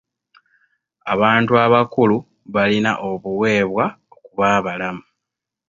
Abantu abakulu balina obuwebwa okuba abalamu.